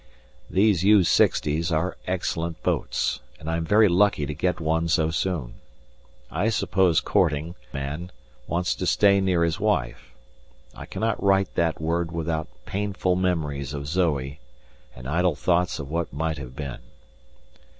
These U.60's are excellent boats, and I am very lucky to get one so soon. I suppose Korting, being a married man, wants to stay near his wife. I cannot write that word without painful memories of Zoe and idle thoughts of what might have been.